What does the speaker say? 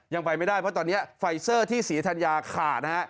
ยังไปไม่ได้เพราะตอนนี้ไฟเซอร์ที่ศรีธัญญาขาดนะฮะ